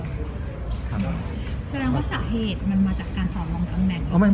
แสดงว่าสาเหตุมันมาจากการต่อลองตำแหน่ง